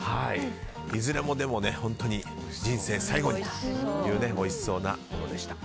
いずれも本当に人生最後に食べたいというおいしそうなものでした。